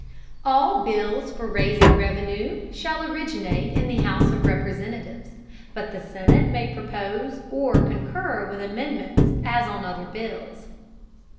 All Bills for raising Revenue shall originate in the House of Representatives; but the Senate may propose or concur with Amendments as on other Bills.